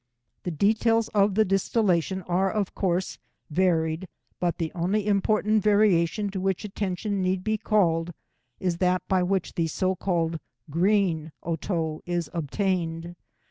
The details of the distillation are, of course, varied, but the only important variation to which attention need be called is that by which the so called “ green otto ” is obtained.